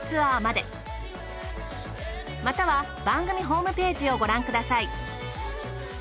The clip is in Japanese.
または番組ホームページをご覧ください。